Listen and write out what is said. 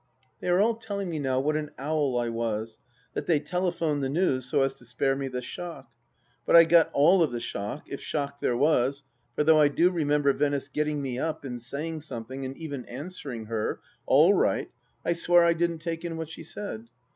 They are all telling me now what an owl I was ; that they telephoned the news, so as to spare me the shock. ... But I got all of the shock, if shock there was, for though I do remember Venice getting me up and saying something and even answering her — All right !— I swear I didn't take in what she said.